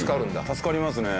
助かりますね。